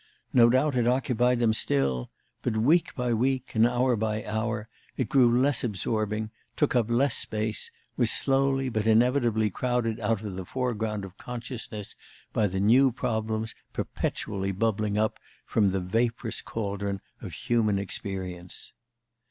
No doubt it occupied them still, but week by week and hour by hour it grew less absorbing, took up less space, was slowly but inevitably crowded out of the foreground of consciousness by the new problems perpetually bubbling up from the vaporous caldron of human experience.